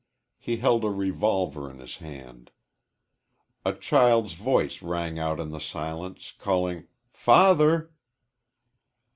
He held a revolver in his hand. A child's voice rang out in the silence, calling "father."